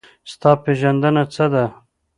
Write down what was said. ستا پېژندنه څه ده؟